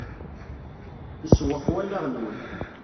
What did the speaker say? Isewweq wallaɣ-nwen.